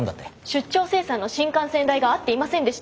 出張精算の新幹線代が合っていませんでした。